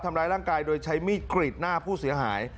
ทำร้ายร่างกายโดยใช้มีดกรีดหน้าผู้เสียหาย